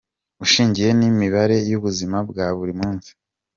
Ushingiye n’imibanire y’ubuzima bwa buri munsi.